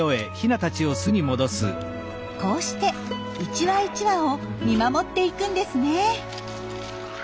こうして１羽１羽を見守っていくんですね。